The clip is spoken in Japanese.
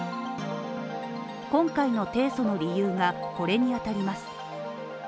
今回の提訴の理由がこれにあたります